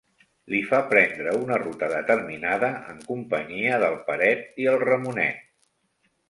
Li fa prendre una ruta determinada en companyia del Peret i el Ramonet.